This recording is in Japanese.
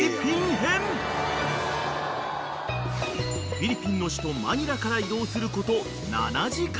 ［フィリピンの首都マニラから移動すること７時間］